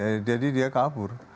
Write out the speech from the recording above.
jadi dia kabur